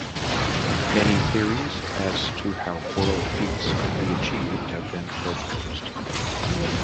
Many theories as to how world peace could be achieved have been proposed.